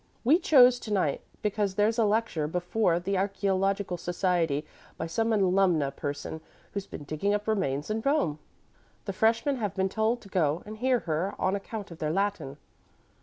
We chose to night because there's a lecture before the Archæological Society by some alumna person who's been digging up remains in Rome. The freshmen have been told to go and hear her on account of their Latin.